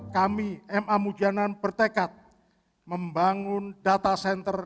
kami ma mujanan bertekad membangun data center